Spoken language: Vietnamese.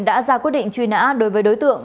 đã ra quyết định truy nã đối với đối tượng